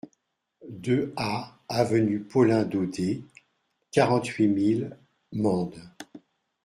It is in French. deux A avenue Paulin Daudé, quarante-huit mille Mende